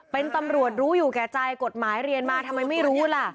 เป็นตำรวจรู้อยู่แก่ใจกฎหมายเรียนมาทำไมไม่รู้ล่ะ